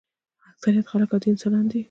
اکثریت خلک عادي انسانان دي.